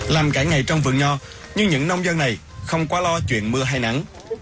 làm cả ngày trong vườn nho nhưng những nông dân này không quá lo chuyện mưa hay nắng